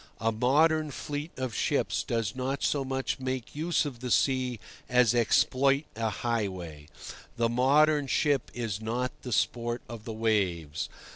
A modern fleet of ships does not so much make use of the sea as exploit a highway. The modern ship is not the sport of the waves.